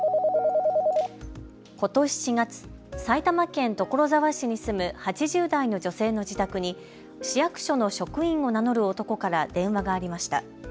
ことし４月、埼玉県所沢市に住む８０代の女性の自宅に市役所の職員を名乗る男から電話がありました。